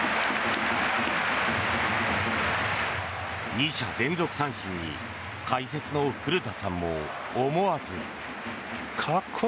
２者連続三振に解説の古田さんも思わず。